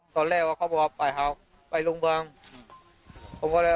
ตอนแรกเขาบอกว่าไปครับไปโรงพยาบาล